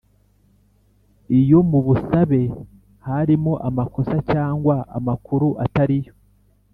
Iyo mu busabe harimo amakosa cyangwa amakuru atariyo